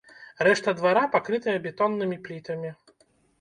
Рэшта двара пакрытая бетоннымі плітамі.